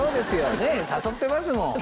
ねえ誘ってますもん。